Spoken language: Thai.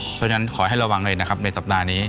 เพราะฉะนั้นขอให้ระวังเลยนะครับในสัปดาห์นี้